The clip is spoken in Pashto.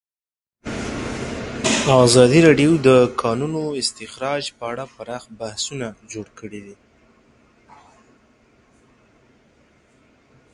ازادي راډیو د د کانونو استخراج په اړه پراخ بحثونه جوړ کړي.